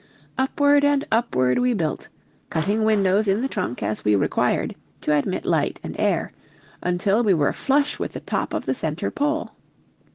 Upward and upward we built, cutting windows in the trunk as we required, to admit light and air, until we were flush with the top of the center pole.